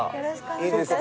いいですね。